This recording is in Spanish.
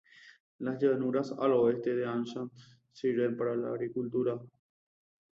Las llanuras al oeste de Anshan sirven para la agricultura.